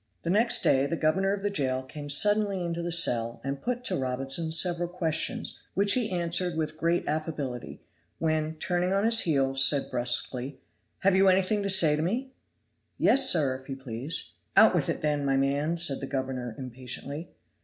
Next day the governor of the jail came suddenly into the cell and put to Robinson several questions, which he answered with great affability; then, turning on his heel, said bruskly, "Have you anything to say to me?" "Yes, sir, if you please." "Out with it then, my man," said the governor impatiently.